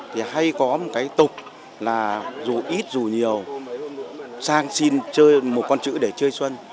thì hay có một cái tục là dù ít dù nhiều sang xin chơi một con chữ để chơi xuân